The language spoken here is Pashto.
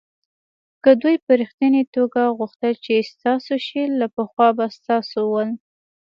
که دوی په ریښتني توگه غوښتل چې ستاسو شي له پخوا به ستاسو ول.